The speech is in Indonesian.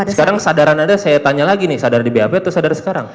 sekarang sadaran anda saya tanya lagi nih sadar di bap atau sadar sekarang